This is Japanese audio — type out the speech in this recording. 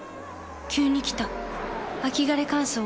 急に来た秋枯れ乾燥。